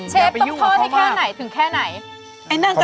เชฟตัวแต่ละที่แค่ไหนถึงแค่ไหน